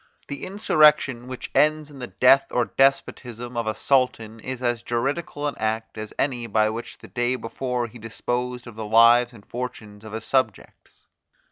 The insurrection, which ends in the death or despotism of a sultan, is as juridical an act as any by which the day before he disposed of the lives and fortunes of his subjects.